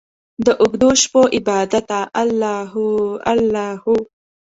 داوږدوشپو عبادته الله هو، الله هو